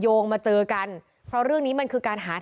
ทางคุณชัยธวัดก็บอกว่าการยื่นเรื่องแก้ไขมาตรวจสองเจน